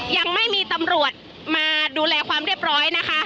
ยังไม่มีตำรวจมาดูแลความเรียบร้อยนะคะ